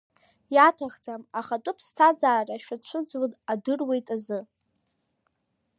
Иаҭахӡам, ахатәы ԥсҭазаара шацәыӡуа адыруеит азы!